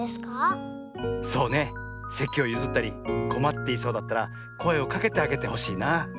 そうねせきをゆずったりこまっていそうだったらこえをかけてあげてほしいな。